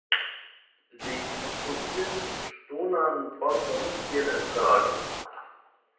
Li konstruigis ŝtonan ponton kiel en Prago.